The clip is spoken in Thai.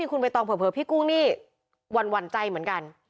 คุณใบตองเผลอพี่กุ้งนี่หวั่นใจเหมือนกัน